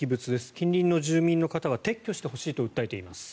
近隣の住民の方は撤去してほしいと訴えています。